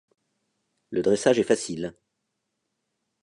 Le dressage est facile.